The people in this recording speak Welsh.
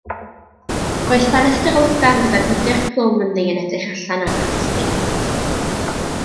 Roedd ffenestr lydan gyda gwydr plwm ynddi yn edrych allan ar y rhostir.